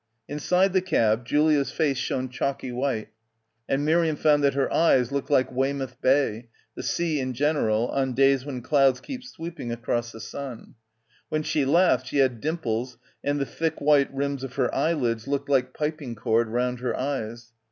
Inside the cab Julia's face shone chalky white, and Miriam found that her eyes looked like Weymouth Bay — the sea in general, on days when clouds keep sweeping across the sun. When she laughed she had dimples and the thick white rims of her eyelids looked like piping cord round her eyes.